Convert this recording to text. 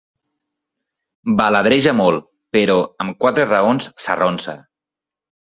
Baladreja molt, però amb quatre raons s'arronsa.